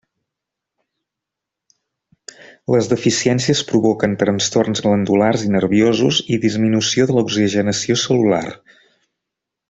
Les deficiències provoquen trastorns glandulars i nerviosos, i disminució de l'oxigenació cel·lular.